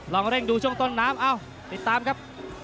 เร่งดูช่วงต้นน้ำเอ้าติดตามครับ